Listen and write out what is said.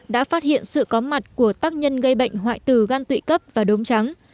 đã phát hiện sự có mặt của tác nhân gây bệnh hoại tử gan tụy cấp và đốm trắng